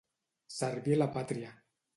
Servir a la pàtria.